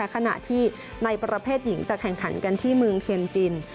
ขณะที่ในประเภทหญิงจะแข่งขันกันที่เมืองเทียนจิน